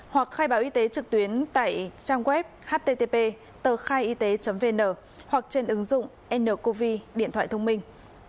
ba hoặc khai báo y tế trực tuyến tại trang web http tờkhaiyt vn hoặc trên ứng dụng ncovid điện thoại thông minh